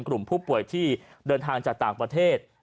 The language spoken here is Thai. กลุ่มผู้ป่วยที่เดินทางจากต่างประเทศ